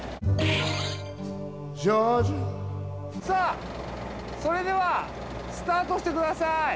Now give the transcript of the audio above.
さあそれではスタートしてください。